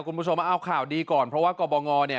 คุณผู้ชมเอาข่าวดีก่อนเพราะว่ากรบงเนี่ย